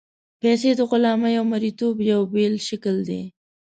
پیسې د غلامۍ او مرییتوب یو بېل شکل دی.